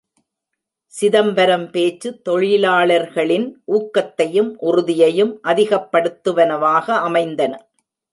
சிதம்பரம் பேச்சு தொழிலாளர்களின் ஊக்கத்தையும் உறுதியையும் அதிகப்படுத்துவனவாக அமைந்தன!